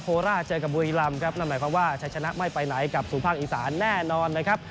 โคลราศเจอกับบุรีลำนั่นหมายความว่าชัดชนะไม่ไปไหนกับสูบห้างอีกษานแน่นอนนะครับ